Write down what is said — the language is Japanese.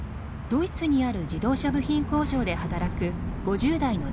ドイツにある自動車部品工場で働く５０代の男性。